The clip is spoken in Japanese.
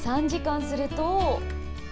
３時間すると。